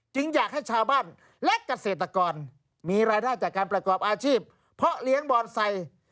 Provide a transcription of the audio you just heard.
อยากให้ชาวบ้านและเกษตรกรมีรายได้จากการประกอบอาชีพเพาะเลี้ยงบอนไซค์